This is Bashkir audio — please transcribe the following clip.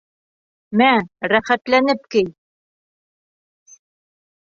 Мә, рәхәтләнеп кей.